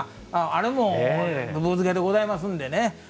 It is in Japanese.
あれも、ぶぶ漬けでございますのでね。